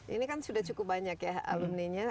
ini kan sudah cukup banyak ya alumni nya